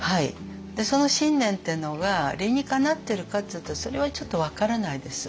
でその信念っていうのが理にかなってるかっていうとそれはちょっと分からないです。